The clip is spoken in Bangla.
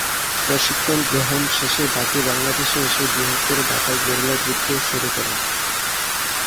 প্রশিক্ষণ গ্রহণ শেষে বাকী বাংলাদেশে এসে বৃহত্তর ঢাকায় গেরিলা যুদ্ধ শুরু করেন।